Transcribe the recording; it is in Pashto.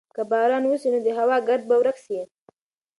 که باران وسي نو د هوا ګرد به ورک سي.